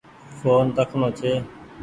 ڦون رکڻو ڇي۔